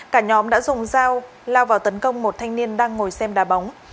cả nhóm đã dùng dao lao vào tấn công một thanh niên đang ngồi xem đà bóng